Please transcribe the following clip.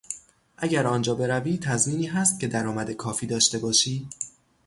اگر آنجا بروی، تضمینی هست که درآمد کافی داشته باشی؟